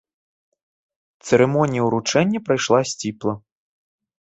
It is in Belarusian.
Цырымонія ўручэння прайшла сціпла.